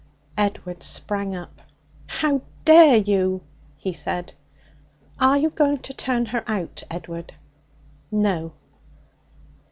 Edward sprang up. 'How dare you!' he said. 'Are you going to turn her out, Edward?' 'No.'